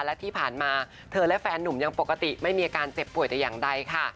และที่ผ่านมาเธอและแฟนหนุ่มยังปกติไม่มีอาการเจ็บป่วยแต่อย่างใดค่ะ